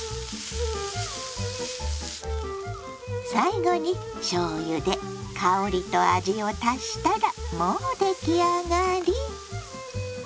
最後にしょうゆで香りと味を足したらもう出来上がり！